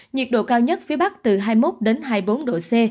nhiệt độ cao nhất phía bắc từ hai mươi một đến hai mươi bốn độ c